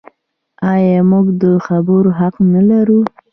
آیا موږ د خبرو حق نلرو؟